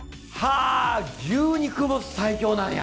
あ牛肉も最強なんや！